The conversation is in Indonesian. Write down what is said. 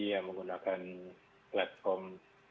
yang menggunakan platform